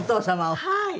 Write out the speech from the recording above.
はい。